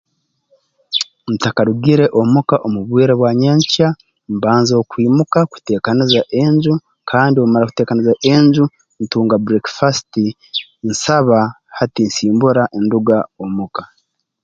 Ntakarugire omuka omu bwire bwa nyenkya mbanza okwimuka kuteekaniza enju kandi obu mara kuteekaniza enju ntunga bureekifasiti nsaba hati nsimbura nduga omuka